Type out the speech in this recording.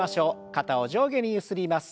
肩を上下にゆすります。